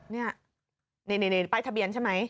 อ๋อเนี่ยในในในป้ายทะเบียนใช่ไหม